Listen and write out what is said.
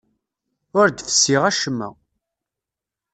Ur d-fessiɣ acemma.